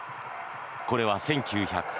これは１９８０年